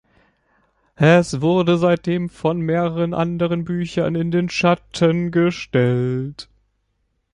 Es wurde seitdem von mehreren anderen Büchern in den Schatten gestellt.